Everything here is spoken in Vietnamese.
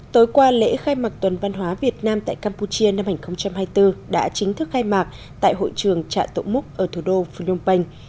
tối qua lễ khai mạc tuần văn hóa việt nam tại campuchia năm hai nghìn hai mươi bốn đã chính thức khai mạc tại hội trường trạ tổ múc ở thủ đô phương nhung bênh